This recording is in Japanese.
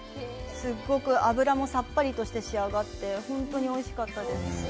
すごく油もさっぱりとして仕上がって本当においしかったです。